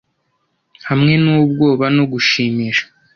Hamwe n'ubwoba no gushimisha.